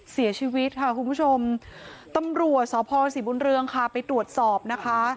เสียชีวิตค่ะคุณผู้ชมตำรวจสพศรีบุญเรืองค่ะไปตรวจสอบนะคะ